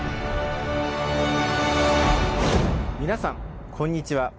皆さんこんにちは。